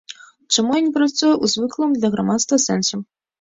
Чаму я не працую ў звыклым для грамадства сэнсе?